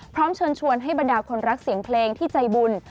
เชิญชวนให้บรรดาคนรักเสียงเพลงที่ใจบุญ